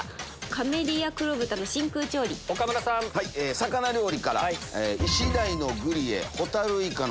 魚料理から。